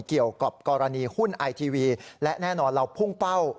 เกี่ยวกับกรณีหุ้นไอทีวีและแน่นอนเราพุ่งเป้า